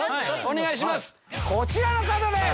こちらの方です！